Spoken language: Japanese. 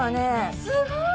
すごい。